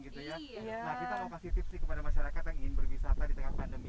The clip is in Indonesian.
nah kita mau kasih tips kepada masyarakat yang ingin berwisata di tengah pandemi